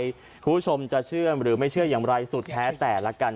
คุณผู้ชมจะเชื่อหรือไม่เชื่ออย่างไรสุดแท้แต่ละกัน